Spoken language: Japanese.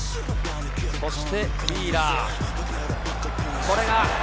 そして、ウィーラー。